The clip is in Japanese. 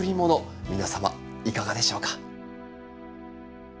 皆様いかがでしょうか。